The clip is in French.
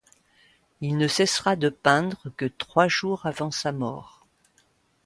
Il ne cessera de peindre que trois jours avant sa mort.